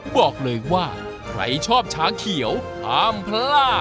บอกเลยว่าใครชอบชาเขียวยังเปล่า